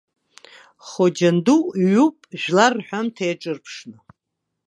Хоџьан ду ҩуп жәлар рҳәамҭа иаҿырԥшны.